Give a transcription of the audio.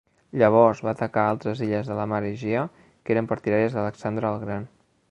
Llavors va atacar altres illes de la mar Egea que eren partidàries d'Alexandre el Gran.